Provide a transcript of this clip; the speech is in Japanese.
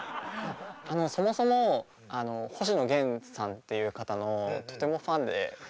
そもそも星野源さんっていう方のとてもファンで。